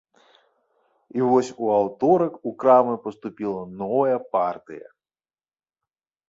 І вось у аўторак у крамы паступіла новая партыя.